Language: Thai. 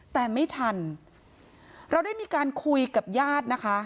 แต่ไม่ทันเราได้มีการคุยกับญาตินะคะ